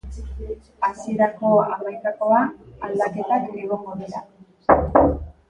Hasierako hamaikakoan aldaketak egongo dira.